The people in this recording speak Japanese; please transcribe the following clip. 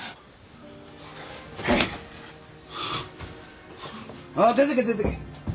ああ出てけ出てけ。